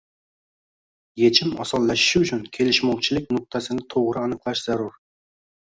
Yechim osonlashishi uchun kelishmovchilik nuqtasini to‘g‘ri aniqlash zarur.